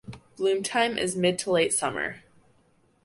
Bloom time is mid to late summer.